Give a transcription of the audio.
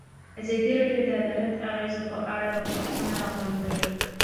ازادي راډیو د عدالت د اغېزو په اړه ریپوټونه راغونډ کړي.